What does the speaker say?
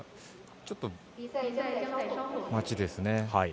ちょっと待ちですね。